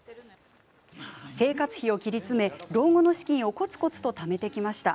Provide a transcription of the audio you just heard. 生活費を切り詰め、老後の資金をこつこつとためてきました。